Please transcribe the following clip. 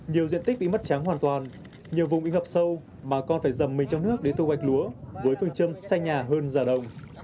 nhiều diện tích bị mất trắng hoàn toàn nhiều vùng bị ngập sâu bà con phải dầm mình trong nước để thu hoạch lúa với phương châm xanh nhà hơn già đồng